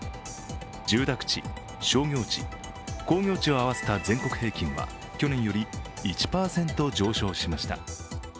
住宅地・商業地・工業地を合わせた全国平均は去年より１％上昇しました。